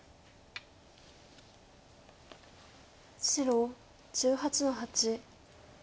白１８の八。